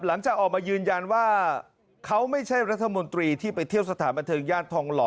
หลังจากออกมายืนยันว่าเขาไม่ใช่รัฐมนตรีที่ไปเที่ยวสถานบันเทิงย่านทองหล่อ